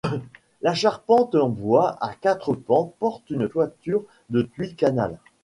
La charpente en bois à quatre pans porte une toiture de tuiles canal.